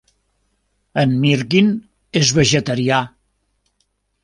En Mirkin és vegetarià.